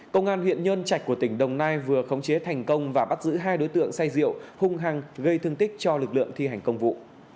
công an huyện nhân trạch của tỉnh đồng nai vừa khống chế thành công và bắt giữ hai đối tượng say rượu hung hăng gây thương tích cho lực lượng thi hành công vụ